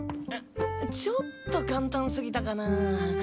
うっちょっと簡単すぎたかなぁ。